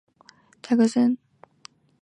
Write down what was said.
然后玛琦听到楼下传来有打嗝声。